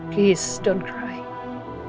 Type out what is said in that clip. tolong jangan menangis